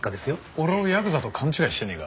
俺をヤクザと勘違いしてねえか？